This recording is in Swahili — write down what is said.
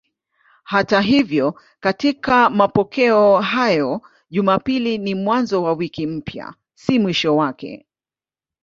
Hata hivyo katika mapokeo hayo Jumapili ni mwanzo wa wiki mpya, si mwisho wake.